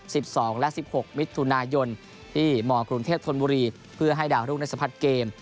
สิบสองและสิบหกมิถุนายนที่มกรุงเทพธนบุรีเพื่อให้ดาวรุ่งได้สัมผัสเกม